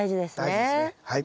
大事ですねはい。